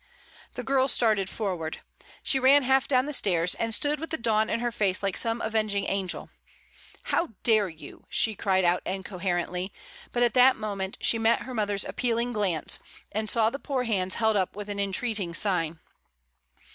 The girl started forward. She ran half down the stairs, and stood with the dawn in her face like some avenging angel. "How dare you," she cried out incoherently; but at that moment she met her mother's appealing glance, and saw the poor hands held up with an entreating sign.